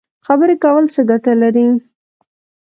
خبرې کول څه ګټه لري؟